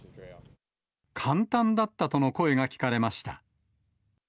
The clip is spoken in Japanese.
簡単だったとの声が聞かれました。